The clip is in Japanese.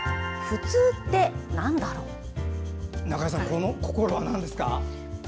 この心はなんですか？